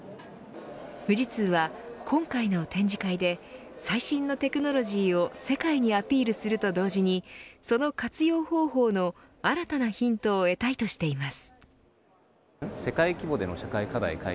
富士通は今回の展示会で最新のテクノロジーを世界にアピールすると同時にその活用方法の新たなヒントを得たいとしています。